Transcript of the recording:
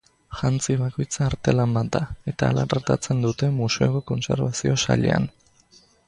Jantzi bakoitza artelan bat da, eta hala tratatzen dute museoko kontserbazio sailean.